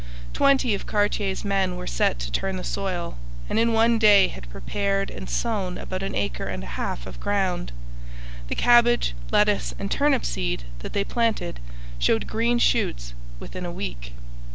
Twenty of Cartier's men were set to turn the soil, and in one day had prepared and sown about an acre and a half of ground. The cabbage, lettuce, and turnip seed that they planted showed green shoots within a week.